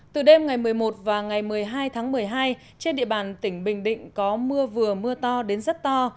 từ đêm ngày một mươi một và ngày một mươi hai tháng một mươi hai trên địa bàn tỉnh bình định có mưa vừa mưa to đến rất to